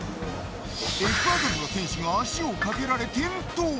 エクアドルの選手が足を掛けられ転倒。